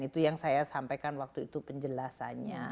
itu yang saya sampaikan waktu itu penjelasannya